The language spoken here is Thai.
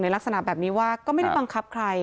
ลักษณะแบบนี้ว่าก็ไม่ได้บังคับใคร